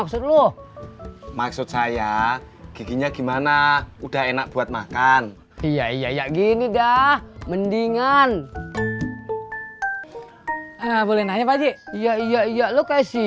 pas gue udah mau makan